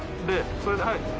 それではい！